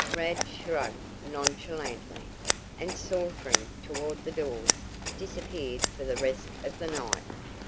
Rad shrugged nonchalantly, and sauntering toward the door, disappeared for the rest of the night.